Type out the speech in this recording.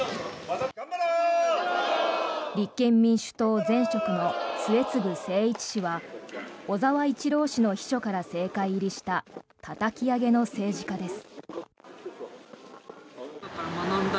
立憲民主党前職の末次精一氏は小沢一郎氏の秘書から政界入りしたたたき上げの政治家です。